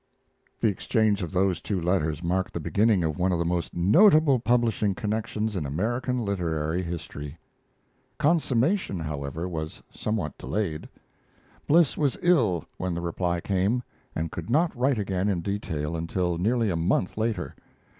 The exchange of those two letters marked the beginning of one of the most notable publishing connections in American literary history. Consummation, however, was somewhat delayed. Bliss was ill when the reply came, and could not write again in detail until nearly a month later.